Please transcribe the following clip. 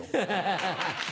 ハハハ！